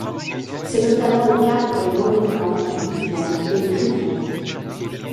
C'est notamment le cas pour les monoplans, biplans et les triplans.